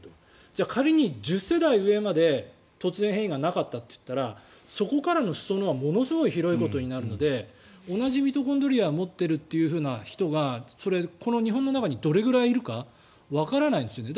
じゃあ仮に１０世代上まで突然変異がなかったとしたらそこからの裾野はものすごい広いことになるので同じミトコンドリアを持っている人がこの日本の中にどれぐらいいるかわからないんですよね。